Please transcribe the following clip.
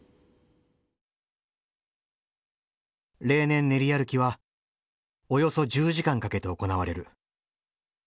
例年練り歩きはおよそ１０時間かけて行われる。